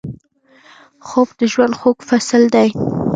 خوب د ژوند خوږ فصل دی